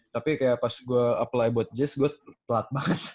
tapi kayak pas gua apply buat jis gua telat banget